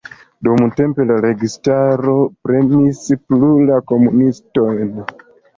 Dumtempe la registaro premis plu la komunistojn.